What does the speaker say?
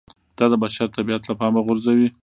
دا د بشر طبیعت له پامه غورځوي